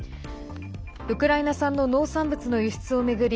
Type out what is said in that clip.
ウクライナ産の農産物の輸出を巡り